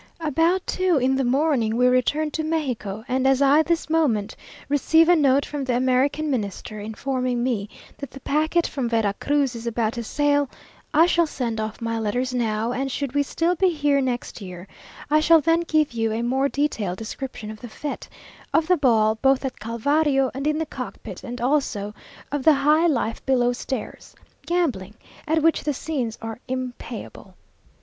About two in the morning we returned to Mexico, and as I this moment receive a note from the American Minister, informing me that the packet from Vera Cruz is about to sail, I shall send off my letters now; and should we still be here next year, I shall then give you a more detailed description of the fête, of the ball, both at Calvario and in the cock pit, and also of the "high life below stairs" gambling, at which the scenes are impayable.